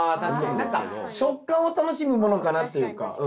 何か食感を楽しむものかなっていうか。